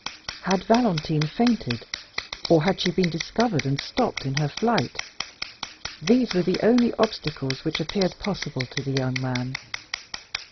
Had Valentine fainted? or had she been discovered and stopped in her flight? These were the only obstacles which appeared possible to the young man.